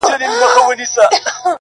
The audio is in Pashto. زما پر ښکلي اشنا وایه سلامونه!